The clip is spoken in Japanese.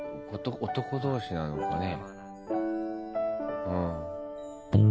男同士なのかね。